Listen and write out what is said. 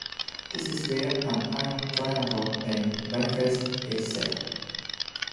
This is where an iron triangle may manifest itself.